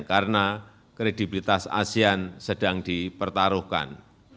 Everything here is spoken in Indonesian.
karena kredibilitas asean sedang dipertaruhkan